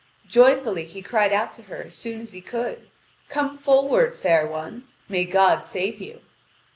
Joyfully he cried out to her as soon as he could: "Come forward, fair one: may God save you!"